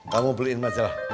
kamu beliin majalah